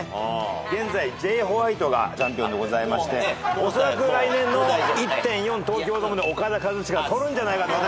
現在ジェイ・ホワイトがチャンピオンでございましておそらく来年の１．４東京ドームでオカダ・カズチカが取るんじゃないかと。